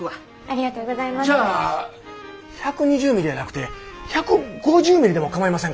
じゃあ１２０ミリやなくて１５０ミリでもかまいませんか？